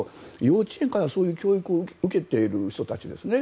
しかも、そういう教育を受けている人たちですね。